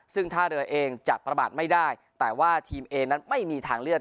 ซึ่งท่าเรือเองจะประมาทไม่ได้แต่ว่าทีมเอนั้นไม่มีทางเลือก